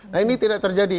nah ini tidak terjadi